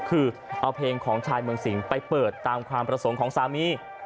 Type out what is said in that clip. คือเอาเพลงของชายเมืองสิงไปเปิดตามความประสงค์ของสามี